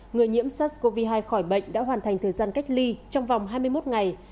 người nhiễm sars cov hai khỏi bệnh đã hoàn thành thời gian cách ly trong vòng hai mươi một ngày